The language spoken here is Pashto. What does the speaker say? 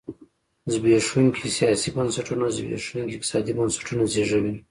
زبېښونکي سیاسي بنسټونه زبېښونکي اقتصادي بنسټونه زېږوي.